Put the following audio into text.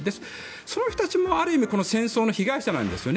その人たちもある意味この戦争の被害者なんですよね。